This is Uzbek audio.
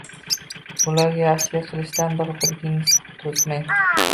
Ularga yaxshilik qilishdan bir - biringizni toʻsmang!